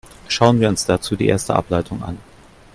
Schauen wir uns dazu die erste Ableitung an.